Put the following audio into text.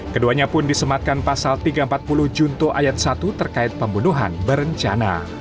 keduanya pun disematkan pasal tiga ratus empat puluh junto ayat satu terkait pembunuhan berencana